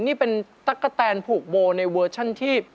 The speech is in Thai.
นี่เป็นตั๊กกะแตนผูกโบในเวอร์ชันที่